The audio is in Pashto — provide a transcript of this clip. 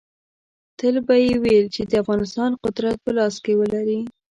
تل به یې ویل چې د افغانستان قدرت په لاس کې ولري.